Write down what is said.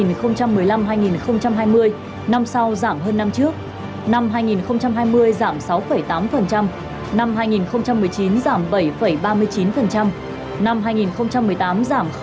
hai nghìn một mươi năm hai nghìn hai mươi năm sau giảm hơn năm trước năm hai nghìn hai mươi giảm sáu tám năm hai nghìn một mươi chín giảm bảy ba mươi chín